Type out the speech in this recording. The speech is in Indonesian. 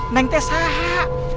neng teh sahak